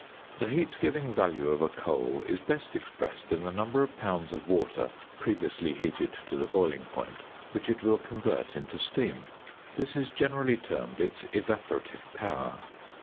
~ The heat giving value of a coal is best expressed in the number of pounds of water, previously heated to the boiling point, which it will convert into steam. This is generally termed its evaporative power.